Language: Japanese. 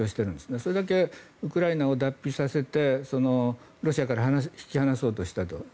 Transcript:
それだけウクライナを脱皮させてロシアから引き離そうとしたと。